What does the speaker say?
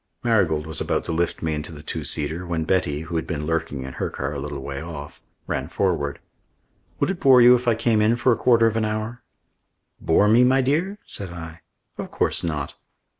Marigold was about to lift me into the two seater when Betty, who had been lurking in her car a little way off, ran forward. "Would it bore you if I came in for a quarter of an hour?" "Bore me, my dear?" said I. "Of course not."